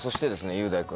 雄大君。